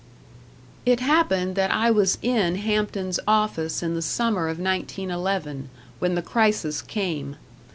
It happened that I was in Hampton's office in the summer of 1911, when the crisis came.